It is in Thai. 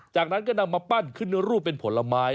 จากนั้นก็นำมาปั้นขึ้นรูปเป็นผลไม้